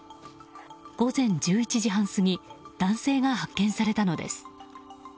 午前１１時半過ぎ男性が発見されたのです。